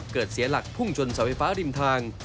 รถเกิดเสียหลักพุ่งจนเสาไฟฟ้าริมทาง